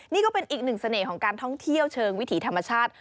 นี่ก็เป็นอีกหนึ่งเสน่ห์ของการท่องเที่ยวเชิงวิถีธรรมชาติ